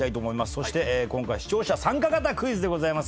そして今回視聴者参加型クイズでございます。